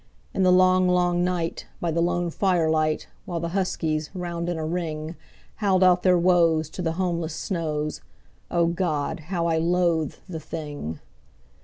In the long, long night, by the lone firelight, while the huskies, round in a ring, Howled out their woes to the homeless snows O God! how I loathed the thing.